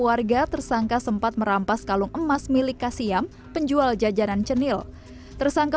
warga tersangka sempat merampas kalung emas milik kasiam penjual jajanan cenil tersangka